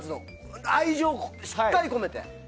愛情をしっかり込めて。